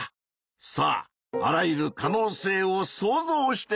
さああらゆる可能性を想像してみてくれ。